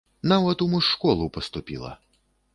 Нават у музшколу паступіла.